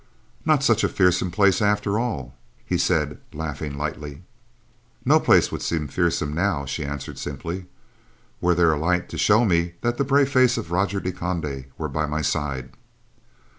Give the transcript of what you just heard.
"Not such a fearsome place after all," he said, laughing lightly. "No place would seem fearsome now," she answered simply, "were there a light to show me that the brave face of Roger de Conde were by my side."